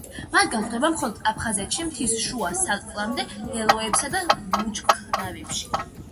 მათგან გვხვდება მხოლოდ აფხაზეთში მთის შუა სარტყლამდე მდელოებსა და ბუჩქნარებში.